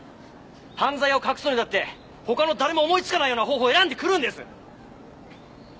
犯罪を隠すのにだって他の誰も思いつかないような方法を選んでくるんです！